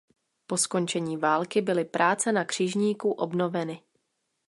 Po skončení války byly práce na křižníku obnoveny.